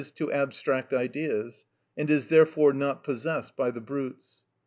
_, to abstract ideas, and is therefore not possessed by the brutes.